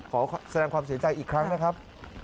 ขอแสดงความเสียใจอีกครั้งนะครับ